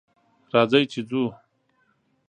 راځئ چې ځو